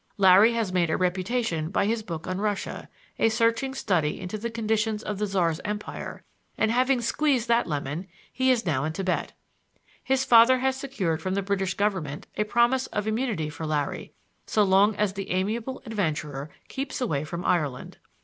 Larry has made a reputation by his book on Russia—a searching study into the conditions of the Czar's empire, and, having squeezed that lemon, he is now in Tibet. His father has secured from the British government a promise of immunity for Larry, so long as that amiable adventurer keeps away from Ireland.